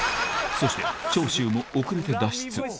そして長州も遅れて脱出